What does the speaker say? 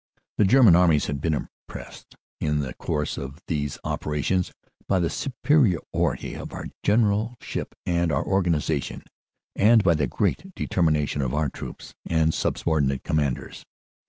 The German Armies had been impressed in the course of these operations by the superiority of our general ship and of our organization, and by the great determination of our troops and subordinate commanders.